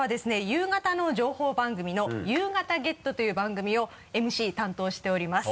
夕方の情報番組の「ゆうがたＧｅｔ！」という番組をＭＣ担当しております。